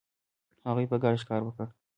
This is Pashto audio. هغوی په ګډه ښکار وکړ.